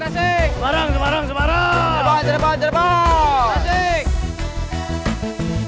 semarang semarang semarang